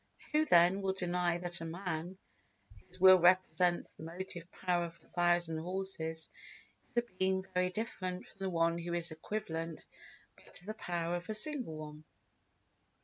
Who, then, will deny that a man whose will represents the motive power of a thousand horses is a being very different from the one who is equivalent but to the power of a single one?